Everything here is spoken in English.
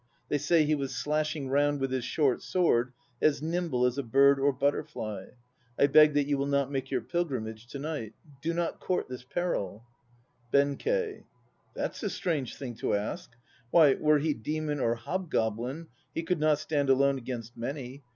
They say he was slashing round with his short sword as nimble as a bird or butterfly. I beg that you will not make your pilgrimage to night. Do not court this peril. BENKEI. That's a strange thing to ask! Why, were he demon or hobgoblin, he could not stand alone against many.